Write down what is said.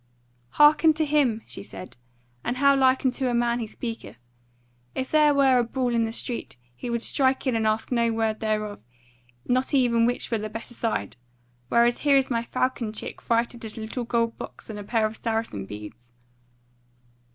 "Hearken to him!" she said, "and how like unto a man he speaketh; if there were a brawl in the street, he would strike in and ask no word thereof, not even which were the better side: whereas here is my falcon chick frighted at a little gold box and a pair of Saracen beads."